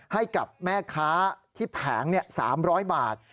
ให้กับแม่ค้าที่แผง๓๐๐บาท